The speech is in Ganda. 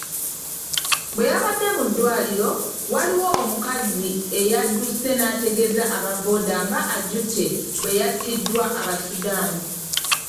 Bwe yabadde mu ddwaliro, waliwo omukazi eyadduse n'ategeeza aba Bbooda nga Ajute bwe y'attiddwa Abasudani.